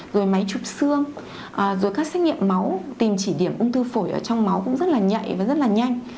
rồi máy chụp xương rồi các xét nghiệm máu tìm chỉ điểm ung thư phổi ở trong máu cũng rất là nhạy và rất là nhanh